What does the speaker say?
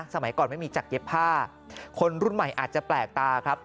สมัยก่อนไม่มีจักรเย็บผ้าคนรุ่นใหม่อาจจะแปลกตาครับ